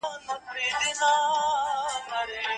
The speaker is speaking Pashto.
د احمدشاه بابا شخصیت ډېر لوړ او ویاړلی و.